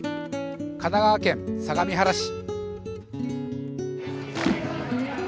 神奈川県相模原市。